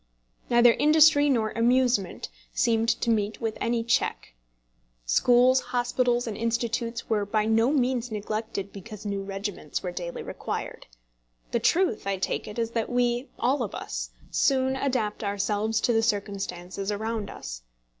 Neither industry nor amusement seemed to meet with any check. Schools, hospitals, and institutes were by no means neglected because new regiments were daily required. The truth, I take it, is that we, all of us, soon adapt ourselves to the circumstances around us.